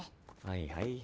はいはい。